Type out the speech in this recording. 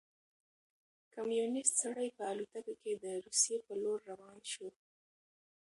کمونیست سړی په الوتکه کې د روسيې په لور روان شو.